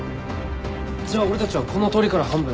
じゃあ俺たちはこの通りから半分。